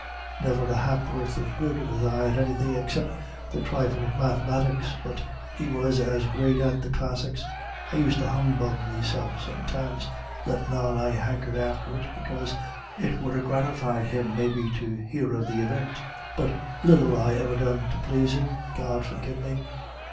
Never a hap'orth of good was I at anythin' except the trifle of mathematics, but he was as great at the Classics.... I used to humbug meself somewhiles lettin' on I hankered after it because it would ha' gratified him maybe to hear of the event. But little I ever done to plase him, God forgive me.